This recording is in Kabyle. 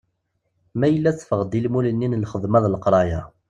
Ma yella teffeɣ-d i lmul-nni n lxedma d leqraya.